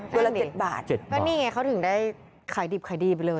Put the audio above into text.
ตัวละ๗บาทเจ็ดบาทเจ็ดบาทนี่ไงเขาถึงได้ขายดีบเลย